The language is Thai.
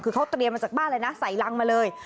คือเขาเตรียมมาจากบ้านเลยนะใส่รังมาเลย